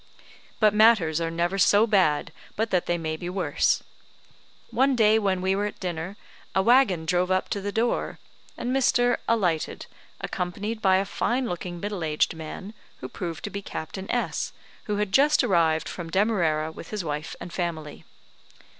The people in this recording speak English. But matters are never so bad but that they may be worse. One day when we were at dinner, a waggon drove up to the door, and Mr. alighted, accompanied by a fine looking, middle aged man, who proved to be Captain S , who had just arrived from Demarara with his wife and family.